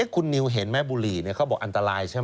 คุณนิวเห็นไหมบุหรี่เขาบอกอันตรายใช่ไหม